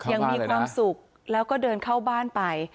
ยังมีความสุขแล้วก็เดินเข้าบ้านไป